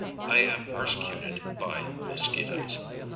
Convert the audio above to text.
ŌĆØ I am persecuted by mosquitoes.